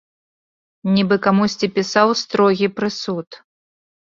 Нібы камусьці пісаў строгі прысуд.